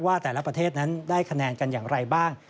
ว่าแต่ละประเทศนั้นได้คะแนนกันอย่างไรบ้าง